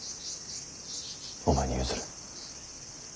お前に譲る。